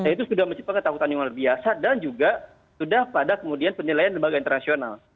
itu sudah menciptakan ketakutan yang luar biasa dan juga sudah pada kemudian penilaian lembaga internasional